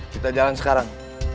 kita jalan sekarang